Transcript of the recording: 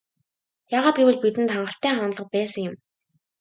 Яагаад гэвэл бидэнд гайхалтай хандлага байсан юм.